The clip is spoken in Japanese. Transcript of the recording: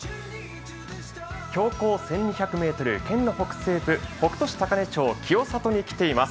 標高１２００ｍ、県の北西部北杜市高根町に来ています。